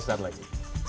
setelah itu lagi